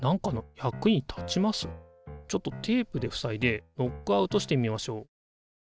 ちょっとテープでふさいでノックアウトしてみましょう。